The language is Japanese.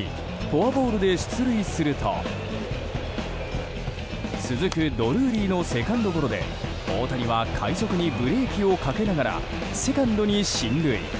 第３打席フォアボールで出塁すると続くドルーリーのセカンドゴロで大谷は快足にブレーキをかけながらセカンドに進塁。